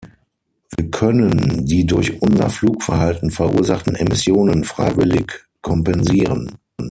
Wir können die durch unser Flugverhalten verursachten Emissionen freiwillig kompensieren.